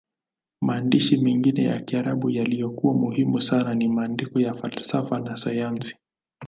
Maandishi mengine ya Kiarabu yaliyokuwa muhimu sana ni maandiko ya falsafa na sayansi.